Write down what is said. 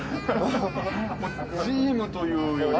チームというより。